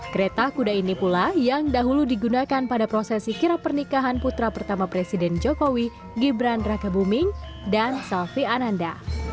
kereta kuda ini pula yang dahulu digunakan pada prosesi kirap pernikahan putra pertama presiden jokowi gibran raka buming dan selvi ananda